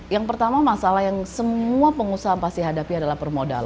yang pertama masalah yang semua pengusaha pasti hadapi adalah permodalan